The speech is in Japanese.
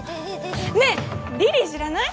ねえリリー知らない？